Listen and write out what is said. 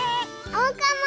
おうかも！